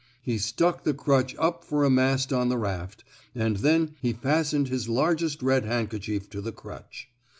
He stuck the crutch up for a mast on the raft, and then he fastened his largest red handkerchief to the crutch.